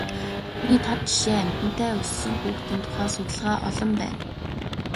Үүний тод жишээ амьтантай өссөн хүүхдийн тухай судалгаа олон байна.